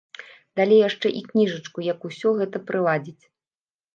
Далі яшчэ і кніжачку, як усё гэта прыладзіць.